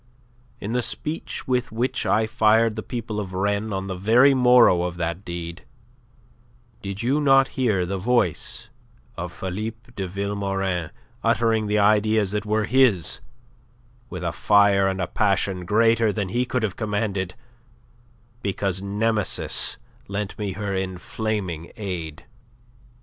In the speech with which I fired the people of Rennes on the very morrow of that deed, did you not hear the voice of Philippe de Vilmorin uttering the ideas that were his with a fire and a passion greater than he could have commanded because Nemesis lent me her inflaming aid?